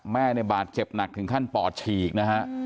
แม่เนี่ยบาดเจ็บหนักถึงขั้นปอดฉีกนะฮะ